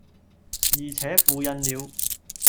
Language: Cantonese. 而且付印了，